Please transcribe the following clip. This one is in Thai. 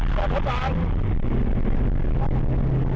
จับรถกลาง